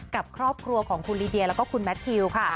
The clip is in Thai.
กับครอบครัวของคุณลีเดียแล้วก็คุณแมททิวค่ะ